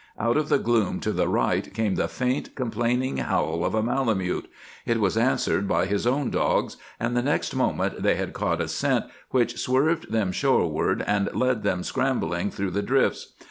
Out of the gloom to the right came the faint, complaining howl of a malamute; it was answered by his own dogs, and the next moment they had caught a scent which swerved them shoreward and led them scrambling through the drifts.